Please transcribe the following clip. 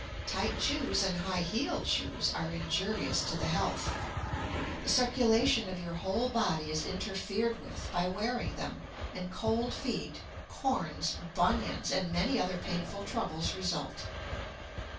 Tight shoes and high heeled shoes are injurious to the health. The circulation of your whole body is interfered with by wearing them, and cold feet, corns, bunions and many other painful troubles result.